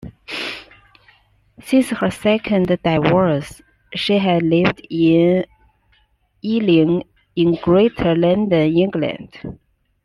Since her second divorce she had lived in Ealing in Greater London, England.